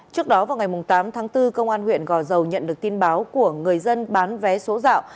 trước đó vào ngày tám tháng bốn công an huyện gò dầu nhận được tin báo của người dân bán vé số dạo